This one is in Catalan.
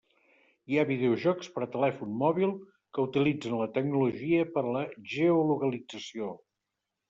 Hi ha videojocs per a telèfon mòbil que utilitzen la tecnologia per a la geolocalització.